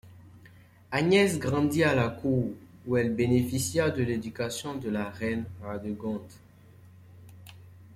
Agnès grandit à la cour où elle bénéficia de l’éducation de la reine Radegonde.